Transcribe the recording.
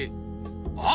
あっ！